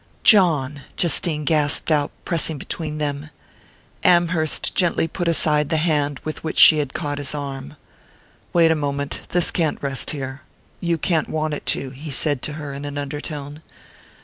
"John!" Justine gasped out, pressing between them. Amherst gently put aside the hand with which she had caught his arm. "Wait a moment: this can't rest here. You can't want it to," he said to her in an undertone.